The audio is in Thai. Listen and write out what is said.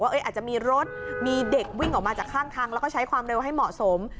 อาจจะมีรถมีเด็กวิ่งออกมาจากข้างทางแล้วก็ใช้ความเร็วให้เหมาะสม